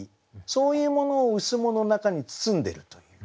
そういうものを「羅」の中に包んでるという。